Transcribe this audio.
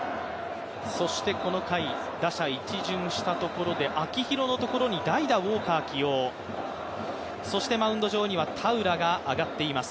そしてこの回打者１巡したところで、秋広のところに代打・ウォーカー起用、そしてマウンド上には田浦が上がっています。